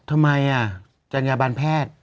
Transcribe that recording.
ทำไมอ่ะจันยาบาลแพทย์